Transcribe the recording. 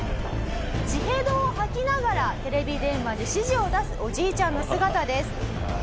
血へどを吐きながらテレビ電話で指示を出すおじいちゃんの姿です。